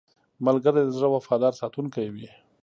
ملګری د زړه وفادار ساتونکی وي